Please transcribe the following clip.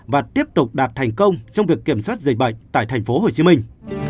và tiếp tục đạt thành công trong việc kiểm soát dịch bệnh tại thành phố hồ chí minh